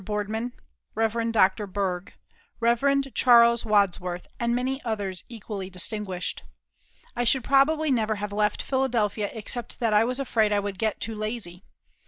Boardman, Rev. Dr. Berg, Rev. Charles Wadsworth, and many others equally distinguished. I should probably never have left Philadelphia except that I was afraid I would get too lazy.